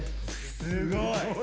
すごい！